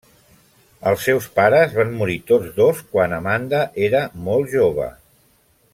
Els seus pares van morir tots dos quan Amanda era molt jove.